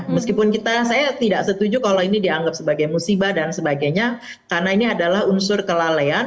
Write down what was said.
meskipun kita saya tidak setuju kalau ini dianggap sebagai musibah dan sebagainya karena ini adalah unsur kelalaian